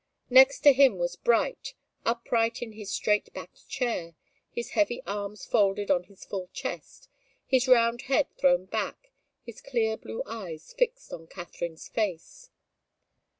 Next to him was Bright, upright in his straight backed chair, his heavy arms folded on his full chest, his round head thrown back, his clear blue eyes fixed on Katharine's face.